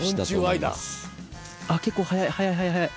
結構速い速い速い速い。